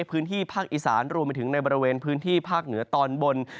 พื้นที่ภาคอีสานรวมไปถึงในบริเวณพื้นที่ภาคเหนือตอนบน